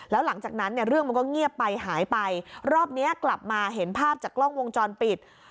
แล้วหลังจากนั้นเนี่ยเรื่องมันก็เงียบไปหายไปรอบเนี้ยกลับมาเห็นภาพจากกล้องวงจรปิด